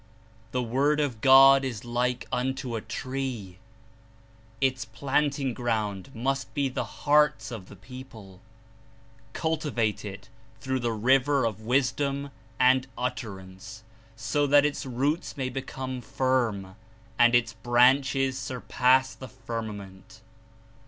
the Word of God is like unto a tree : its planting ground must be the hearts of the people; cultivate it through the river of Wisdom and Utterance, so that Its roots may become firm and Its branches surpass the firmament."